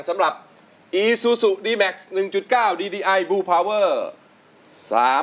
สำหรับอีซูซูดีแม็กซ์หนึ่งจุดเก้าดีดีไอบูร์พาเวอร์สาม